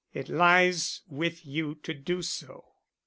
It lies with you to do so."